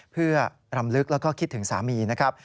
เพื่อรำลึกแล้วก็คิดถึงสามีนะครับ